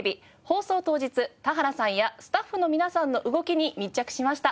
放送当日田原さんやスタッフの皆さんの動きに密着しました。